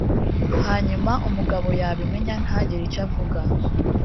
hanyuma umugabo yabimenya ntagire icyo avuga